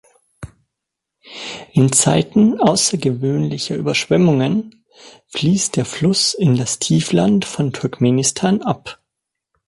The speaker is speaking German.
In Zeiten außergewöhnlicher Überschwemmungen fließt der Fluss in das Tiefland von Turkmenistan ab.